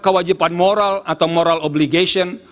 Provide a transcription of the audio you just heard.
kewajiban moral atau moral obligation